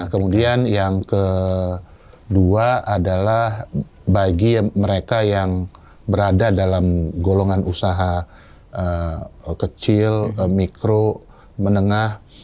kemudian yang kedua adalah bagi mereka yang berada dalam golongan usaha kecil mikro menengah